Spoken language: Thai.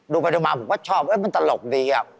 ไปดูมาผมก็ชอบมันตลกดี